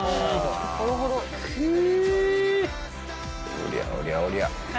おりゃおりゃおりゃ！